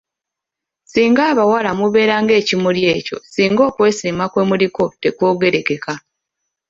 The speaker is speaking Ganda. Ssinga abawala mubeera ng'ekimuli ekyo ssinga okwesiima kwe muliko tekwogerekeka.